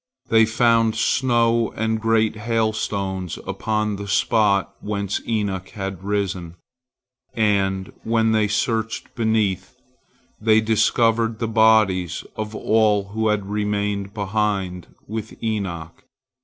They found snow and great hailstones upon the spot whence Enoch had risen, and, when they searched beneath, they discovered the bodies of all who had remained behind with Enoch.